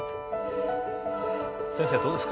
先生どうですか？